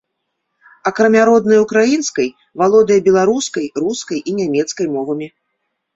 Акрамя роднай украінскай, валодае беларускай, рускай і нямецкай мовамі.